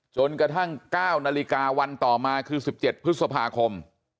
จนกระทั่ง๙นาฬิกาวันต่อมาคือ๑๗พฤษภาคม